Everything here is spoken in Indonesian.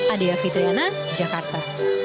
adia fitriana jakarta